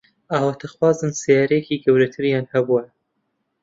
ئاواتەخوازن سەیارەیەکی گەورەتریان هەبوایە.